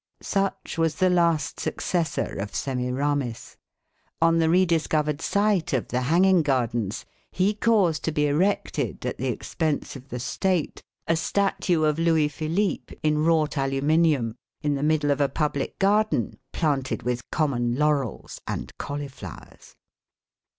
Such was the last successor of Semiramis. On the re discovered site of the Hanging gardens he caused to be erected, at the expense of the State, a statue of Louis Philippe in wrought aluminium, in the middle of a public garden planted with common laurels and cauliflowers.